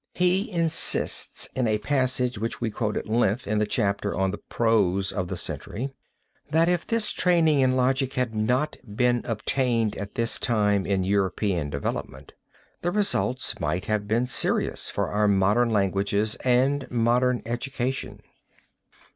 He insists in a passage which we quote at length in the chapter on the Prose of the Century, that if this training in logic had not been obtained at this time in European development, the results might have been serious for our modern languages and modern education.